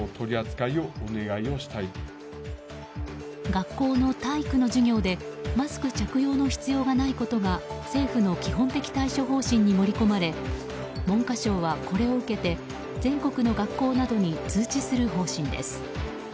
学校の体育の授業でマスク着用の必要がないことが政府の基本的対処方針に盛り込まれ文科省はこれを受けて全国の学校などに通知する方針です。